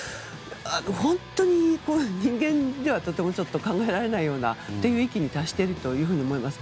本当に、人間ではとても考えられないような域に達していると思います。